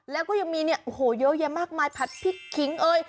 แล้วก็ยังมีเนี่ยโอ้โหเยอะแยะมากมายผัดพริกขิงเอ้ย